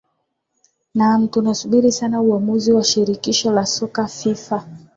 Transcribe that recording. naam tunasubiri sana uamuzi wa shirikisho la soka fifa